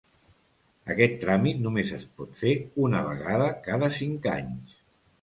Aquest tràmit només es pot fer una vegada cada cinc anys.